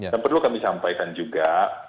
dan perlu kami sampaikan juga